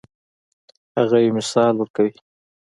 هغه یو مثال ورکوي.